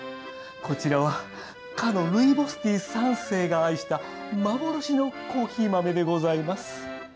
こちらはかのルイボスティー３世が愛した幻のコーヒー豆でございます。